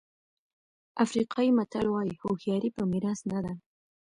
افریقایي متل وایي هوښیاري په میراث نه ده.